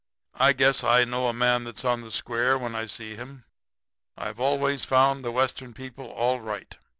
I guess I know a man that's on the square when I see him. I've always found the Western people all right.